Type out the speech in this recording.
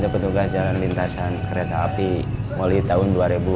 penugas jalan lintasan kereta api mulai tahun dua ribu delapan